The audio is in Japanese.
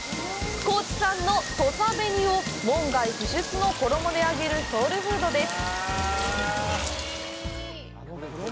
高知県の土佐紅を門外不出の衣で揚げるソウルフードです。